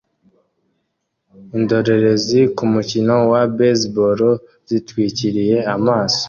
Indorerezi kumukino wa baseball zitwikiriye amaso